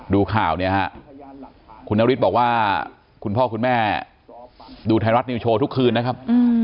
ดูข่าวเนี่ยฮะคุณนฤทธิ์บอกว่าคุณพ่อคุณแม่ดูไทยรัฐนิวโชว์ทุกคืนนะครับ